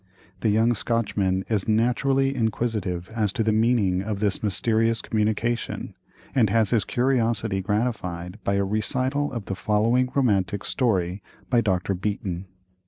The young Scotchman is naturally inquisitive as to the meaning of this mysterious communication, and has his curiosity gratified by a recital of the following romantic story by Dr. Beaton.